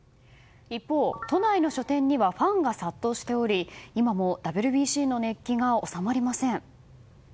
一方、都内の書店にはファンが殺到しており今もＷＢＣの熱気が収まりません。